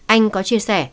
anh có chia sẻ